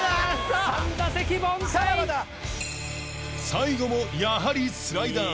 ［最後もやはりスライダー］